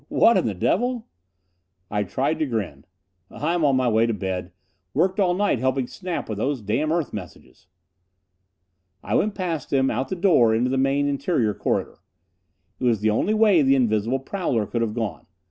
What in the devil " I tried to grin. "I'm on my way to bed worked all night helping Snap with those damn Earth messages." I went past him, out the door into the main interior corridor. It was the only way the invisible prowler could have gone.